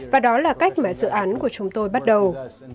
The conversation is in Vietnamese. và đó là cách mà dự án của chúng tôi bắt đầu